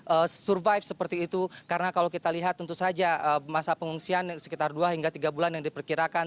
ada survive seperti itu karena kalau kita lihat tentu saja masa pengungsian sekitar dua hingga tiga bulan yang diperkirakan